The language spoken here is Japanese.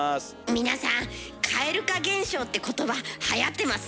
皆さん「蛙化現象」って言葉はやってますね。